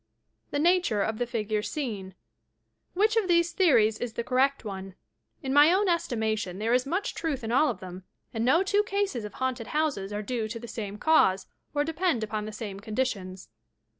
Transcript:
THE NATtTBE OP THE PIOUBES SEEN Which of these theories is the correct onet In my own estimation there is much truth in all of them, and no two cases of haunted houses are due to the same cause or depend upon the same conditions.